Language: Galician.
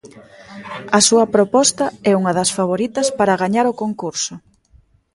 A súa proposta é unha das favoritas para gañar o concurso.